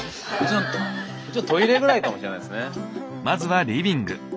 まずはリビング。